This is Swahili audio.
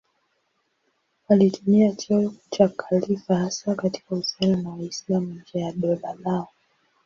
Walitumia cheo cha khalifa hasa katika uhusiano na Waislamu nje ya dola lao.